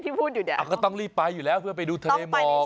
พูดอยู่เนี่ยก็ต้องรีบไปอยู่แล้วเพื่อไปดูทะเลหมอก